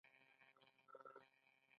قیر د اوبو په موجودیت کې قوي چسپش تولیدوي